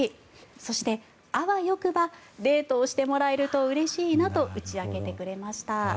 そして、あわよくばデートをしてもらえるとうれしいなと打ち明けてくれました。